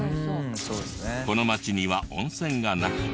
この町には温泉がなく。